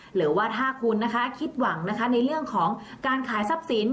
หรือว่าถ้าคุณนะคะคิดหวังนะคะในเรื่องของการขายทรัพย์สิน